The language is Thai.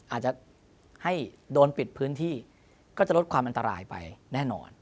อาจจะให้โดนปิดพื้นที่ก็จะลดความอันตรายไปแน่นอน